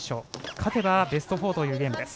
勝てばベスト４というゲームです。